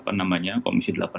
apa namanya komisi delagau